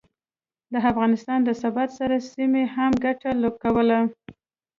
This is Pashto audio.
د افغانستان د ثبات سره، سیمې هم ګټه کوله